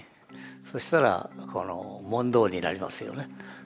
そしたら問答になりますよね。